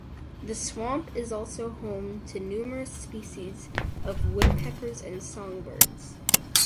The swamp is also home to numerous species of woodpeckers and songbirds.